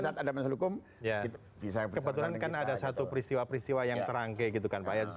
jadi gini kebetulan kan ada satu peristiwa peristiwa yang teranggih gitu kan pak